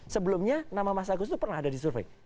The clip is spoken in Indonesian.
sebelumnya nama mas agus itu pernah ada di survei